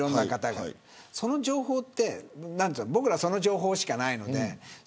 その情報は僕らは、その情報しかないので。